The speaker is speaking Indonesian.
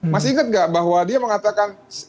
masih ingat nggak bahwa dia mengatakan